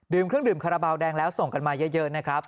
เครื่องดื่มคาราบาลแดงแล้วส่งกันมาเยอะนะครับ